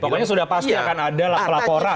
pokoknya sudah pasti akan ada laporan